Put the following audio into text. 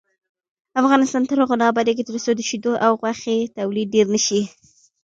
افغانستان تر هغو نه ابادیږي، ترڅو د شیدو او غوښې تولید ډیر نشي.